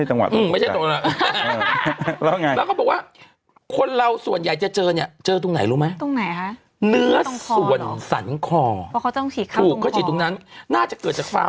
ยังไม่ใช่จังหวะตัวตัวแหละ